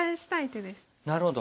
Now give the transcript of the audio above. なるほど。